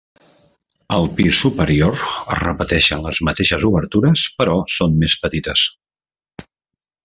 Al pis superior es repeteixen les mateixes obertures però són més petites.